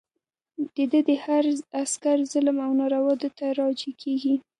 د ده د هر عسکر ظلم او ناروا ده ته راجع کېږي.